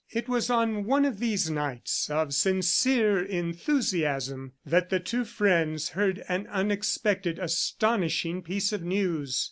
It was on one of these nights of sincere enthusiasm that the two friends heard an unexpected, astonishing piece of news.